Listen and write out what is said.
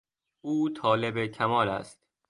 او طالب کمال است.